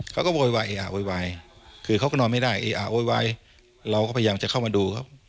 โวยวายเออะโวยวายคือเขาก็นอนไม่ได้เออะโวยวายเราก็พยายามจะเข้ามาดูครับ